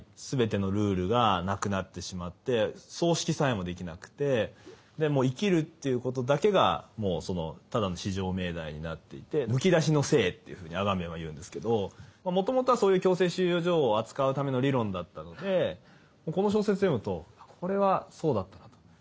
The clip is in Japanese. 全てのルールがなくなってしまって葬式さえもできなくてでもう生きるということだけがもうそのただの至上命題になっていて「むき出しの生」っていうふうにアガンベンは言うんですけどもともとはそういう強制収容所を扱うための理論だったのでこの小説読むとこれはそうだったなと。